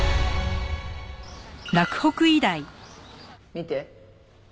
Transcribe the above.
見て。